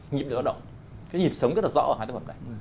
nhịp điệu đóng cái nhịp sống rất là rõ ở hai tác phẩm này